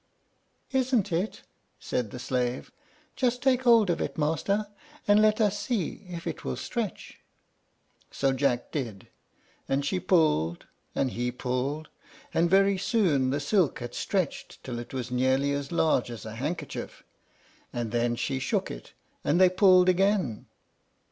"Isn't it?" said the slave. "Just take hold of it, master, and let us see if it will stretch." So Jack did. And she pulled, and he pulled, and very soon the silk had stretched till it was nearly as large as a handkerchief; and then she shook it, and they pulled again.